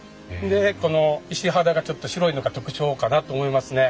でこの石肌がちょっと白いのが特徴かなと思いますね。